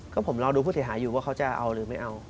ก็ผมรอดูผู้เสียหายอยู่ว่าเขาจะเอาหรือไม่เอา